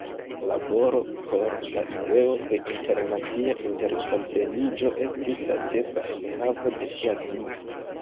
Laboro por la ideo de internacia interkompreniĝo estis la ĉefa enhavo de ŝia vivo.